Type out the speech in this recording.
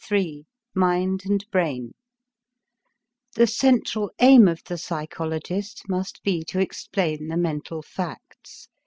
III MIND AND BRAIN The central aim of the psychologist must be to explain the mental facts.